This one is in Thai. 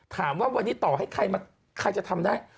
ถามว่าวันนี้ต่อให้ใครมาใครจะทำได้